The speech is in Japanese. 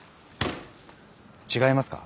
違いますか？